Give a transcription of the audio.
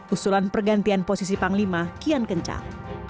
usulan pergantian posisi panglima kian kencang